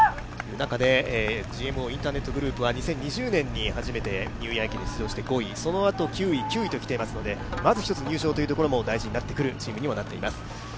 ＧＭＯインターネットグループは２０２０年に初めてニューイヤー駅伝に出場して５位、そのあと９位、９位と来ていますのでまず１つ入賞というところも大事になってくるチームになってきます。